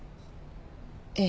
ええ。